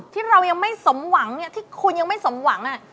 ที่เรายังไม่สมหวังเนี่ยที่คุณยังไม่สมหวัง